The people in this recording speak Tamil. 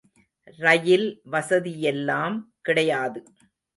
ரயில் வசதியெல்லாம் கிடையாது.